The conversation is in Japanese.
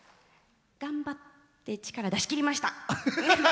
頑張って力出しきりました。